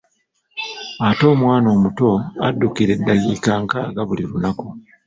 Ate omwana omuto addukira eddakiika nkaaga buli lunaku.